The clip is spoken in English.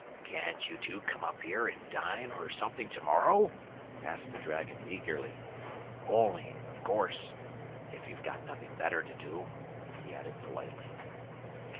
"Can't you two come up here and dine or something to morrow?" asked the dragon eagerly. "Only, of course, if you've got nothing better to do," he added politely.